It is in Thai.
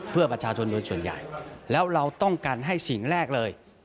เพื่อประชาชนโดยส่วนใหญ่แล้วเราต้องการให้สิ่งแรกเลย